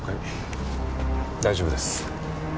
大丈夫です。